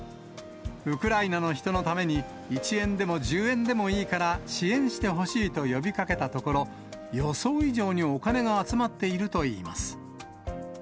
ウクライナの人のために、１円でも１０円でもいいから支援してほしいと呼びかけたところ、予想以上にお金が集まっているといいます。